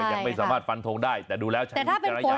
มันยังไม่สามารถปันโทงได้แต่ดูแล้วใช้วิทยาละยาน